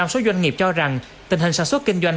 một mươi số doanh nghiệp cho rằng tình hình sản xuất kinh doanh